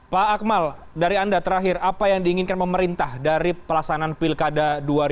pak akmal dari anda terakhir apa yang diinginkan pemerintah dari pelaksanaan pilkada dua ribu dua puluh